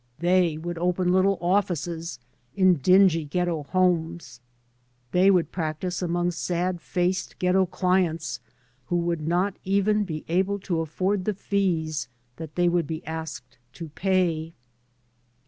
They would open little offices in dingy ghetto homes; they would practice among sad faced ghetto clients who would not even be able to afiord the fees that they would be asked to pay.